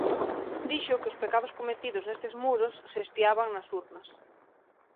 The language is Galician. Dixo que os pecados cometidos nestes muros se espiaban nas urnas.